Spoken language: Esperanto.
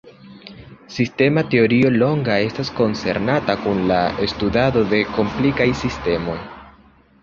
Sistema teorio longa estas koncernata kun la studado de komplikaj sistemoj.